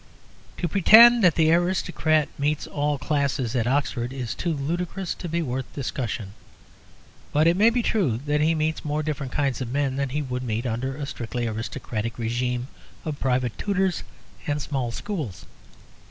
To pretend that the aristocrat meets all classes at Oxford is too ludicrous to be worth discussion. But it may be true that he meets more different kinds of men than he would meet under a strictly aristocratic regime of private tutors and small schools.